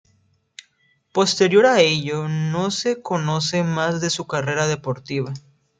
Posterior a ello no se conoce más de su carrera deportiva.